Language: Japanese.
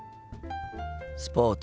スポーツ。